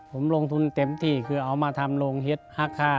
ผมลงทุนเต็มที่คือเอามาทำโรงเฮ็ดฮักค่า